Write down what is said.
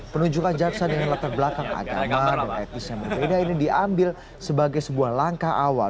penunjukan jaksa dengan latar belakang agama dan etnis yang berbeda ini diambil sebagai sebuah langkah awal